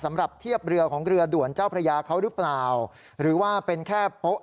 เจ้าหน้าที่บอกว่าทางวัดเนี่ยก็จริงไม่มีส่วนเกี่ยวข้องกับเหตุการณ์ดังกล่าวนะ